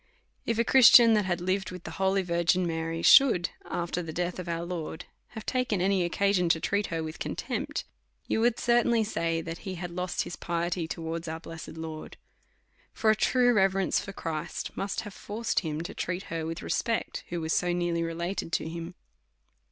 If a Christian that had lived with the holy Virgin Mary, should, after the death of our Lord, have taken any occasion to treat her with contempt, you would certainly say, that he had lost his piety towards our blessed Lord. For a true reverence for Christ must have forced him to treat her with respect, who was so nearly related to him.